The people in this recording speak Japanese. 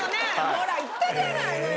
ほら言ったじゃないのよ。